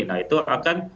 nah itu akan